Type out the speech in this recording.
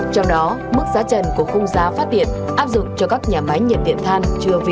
trong đó mức giá trần của khung giá phát điện áp dụng cho các nhà máy nhiệt điện than